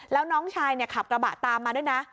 แล้วน้องชายขับกระบะตามมาด้วยนะ